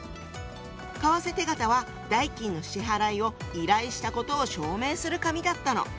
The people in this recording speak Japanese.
為替手形は代金の支払いを依頼したことを証明する紙だったの。